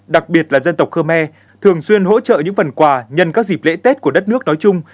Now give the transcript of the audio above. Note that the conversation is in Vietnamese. đặc biệt là dân tộc khơ me thường xuyên hỗ trợ những phần quà nhân các dịp lễ tết của đất nước nói chung